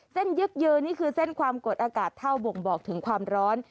ยึกยือนี่คือเส้นความกดอากาศเท่าบ่งบอกถึงความร้อน